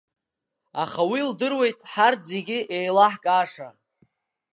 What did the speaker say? Аха уи илдыруеит ҳарҭ зегьы еилаҳкааша…